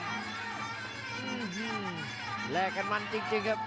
อื้อหือแลกกันมันจริงครับ